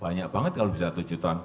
banyak banget kalau bisa tujuh ton